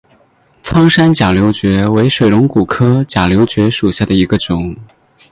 苍山假瘤蕨为水龙骨科假瘤蕨属下的一个种。